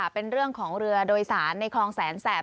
เป็นเรื่องของเรือโดยสารในคลองแสนแสบ